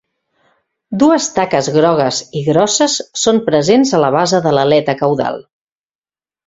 Dues taques grogues i grosses són presents a la base de l'aleta caudal.